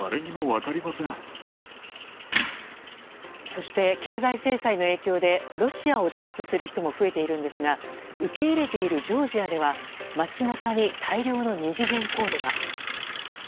そして経済制裁の影響でロシアを脱出する人も増えているんですが受け入れているジョージアでは街中に大量の二次元コードが。